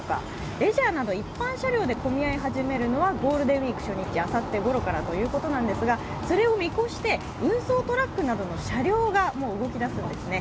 レジャーなど一般車両で混み合い始めるのはゴールデンウイーク初日、あさってごろからということですがそれを見越して運送とラックなどの車両がもう動き出すんですね。